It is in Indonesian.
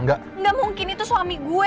nggak mungkin itu suami gue